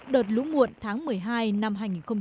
đợt lũ nguộn tháng một mươi hai năm hai nghìn một mươi bảy